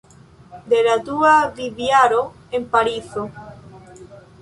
De la dua vivjaro en Parizo.